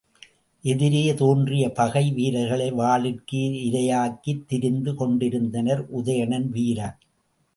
எதிரே தோன்றிய பகை வீரர்களை வாளிற்கு இரையாக்கித் திரிந்து கொண்டிருந்தனர், உதயணன் வீரர்.